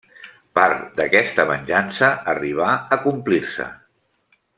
Part d'aquesta venjança arribà a complir-se.